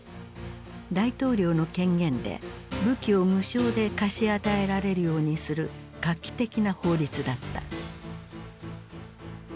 大統領の権限で武器を無償で貸し与えられるようにする画期的な法律だった。